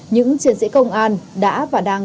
những chiến sĩ công an đã và đang